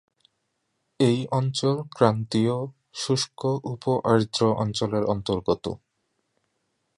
এই অঞ্চল ক্রান্তীয় শুষ্ক উপ-আর্দ্র অঞ্চলের অন্তর্গত।